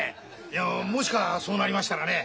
もしかそうなりましたらね